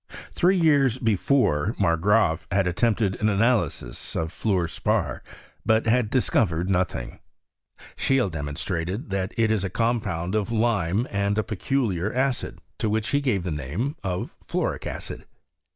Three years before, Mat^;raaf had attempted an analysis of fluor spar, but had discovered notung. Schecle demonBtraled that it is a compound of lime and a peculiar acid, to which he gave the name of fiuoTtc acid.